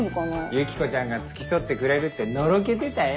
ユキコちゃんが付き添ってくれるってのろけてたよ。